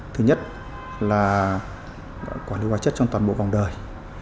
thứ nhất là quản lý hóa chất trong toàn bộ vòng đời